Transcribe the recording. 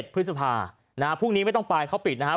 พฤษภาพรุ่งนี้ไม่ต้องไปเขาปิดนะครับ